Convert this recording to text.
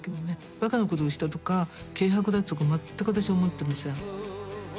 バカなことをしたとか軽薄だとか全く私思ってません。